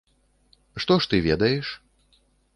Што ж ты ведаеш?